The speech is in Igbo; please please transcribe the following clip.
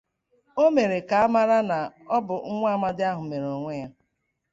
O mere ka a mara na ọ bụ nwa amadi ahụ mère onwe ya